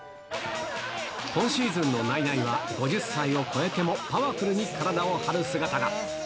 今シーズンのナイナイは、５０歳を超えてもパワフルに体を張る姿が。